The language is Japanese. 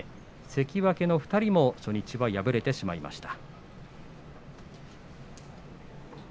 関脇の２人も初日は敗れてしまいました。